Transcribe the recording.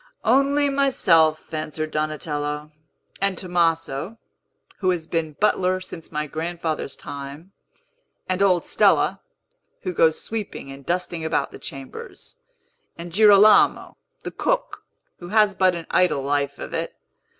"Only myself," answered Donatello, "and Tomaso, who has been butler since my grandfather's time, and old Stella, who goes sweeping and dusting about the chambers, and Girolamo, the cook, who has but an idle life of it.